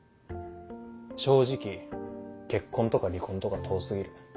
正直結婚とか離婚とか遠過ぎる。